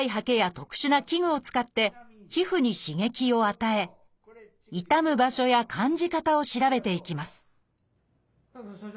特殊な器具を使って皮膚に刺激を与え痛む場所や感じ方を調べていきます